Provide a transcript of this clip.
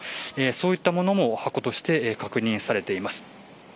そういったものも箱として確認されています。